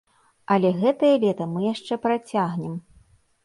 Але гэтае лета мы яшчэ працягнем.